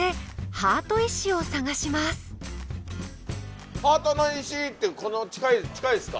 ハートの石ってこの近いですか？